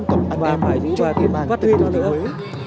chúng ta đều phải giữ lại và phải giữ lại